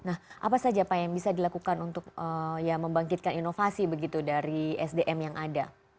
nah apa saja pak yang bisa dilakukan untuk ya membangkitkan inovasi begitu dari sdm yang ada